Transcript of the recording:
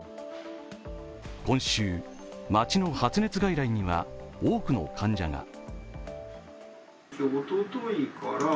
今週、街の発熱外来には多くの患者が。